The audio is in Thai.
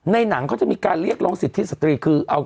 หนังเขาจะมีการเรียกร้องสิทธิสตรีคือเอา